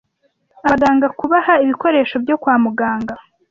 abaganga kubaha ibikoresho byo kwa muganga.